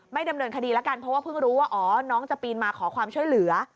ดำเนินคดีแล้วกันเพราะว่าเพิ่งรู้ว่าอ๋อน้องจะปีนมาขอความช่วยเหลือ